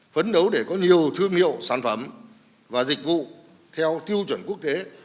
phấn đấu để có nhiều thương hiệu sản phẩm và dịch vụ theo tiêu chuẩn quốc tế